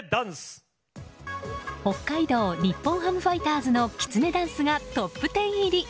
北海道日本ハムファイターズのきつねダンスがトップ１０入り。